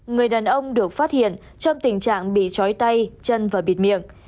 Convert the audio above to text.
người đàn ông được phát hiện trong tình trạng bị chói tay chân và bịt miệng